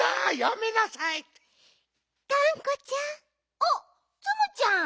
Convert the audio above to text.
あっツムちゃん！